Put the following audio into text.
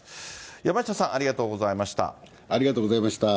山下さん、ありがとうございましありがとうございました。